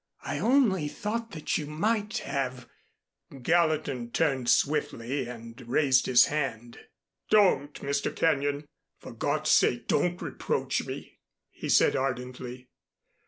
I only thought that you might have " Gallatin turned swiftly and raised his hand. "Don't, Mr. Kenyon! For God's sake, don't reproach me," he said ardently.